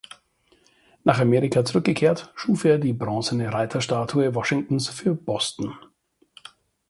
Nach Amerika zurückgekehrt, schuf er die bronzene Reiterstatue Washingtons für Boston.